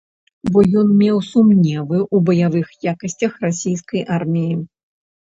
Бо ён меў сумневы ў баявых якасцях расійскай арміі.